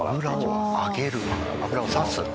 油を差す。